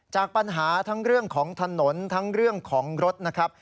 จากปัญหาทั้งเรื่องของถนนทั้งเรื่องของรถนะครับ